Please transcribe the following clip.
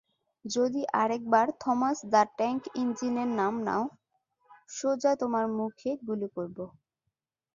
যদি আরেকবার Thomas the tank ইঞ্জিনের নাম নাও, সোজা তোমার মুখে গুলি করবো।